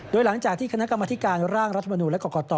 โดยหลังจากที่คณะกรรมธิการร่างรัฐมนูลและกรกต